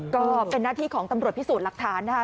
ก็เป็นหน้าที่ของตำรวจพิสูจน์หลักฐานนะคะ